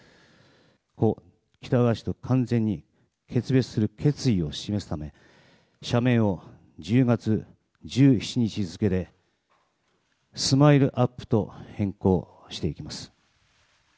故・喜多川氏と完全に決別する決意を示すため社名を１０月１７日付でＳＭＩＬＥ‐ＵＰ．と変更していきます。